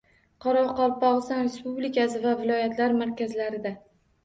Qoraqalpog‘iston Respublikasi va viloyatlar markazlarida